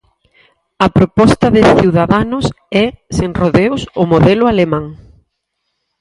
A proposta de Ciudadanos é, sen rodeos, o modelo alemán.